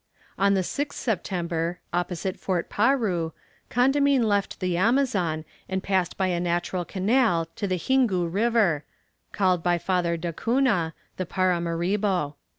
On the 6th September, opposite Fort Paru, Condamine left the Amazon, and passed by a natural canal to the Xingu River, called by Father D'Acunha the Paramaribo.